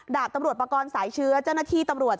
ดาบตำรวจปากรสายเชื้อเจ้าหน้าที่ตำรวจ